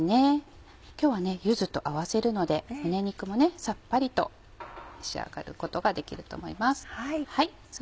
今日は柚子と合わせるので胸肉もさっぱりと召し上がることができると思います。